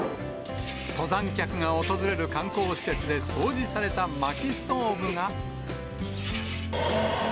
登山客が訪れる観光施設で掃除されたまきストーブが。